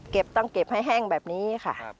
ต้องเก็บให้แห้งแบบนี้ค่ะ